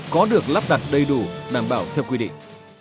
có được lắp đặt đầy đủ đảm bảo theo quy định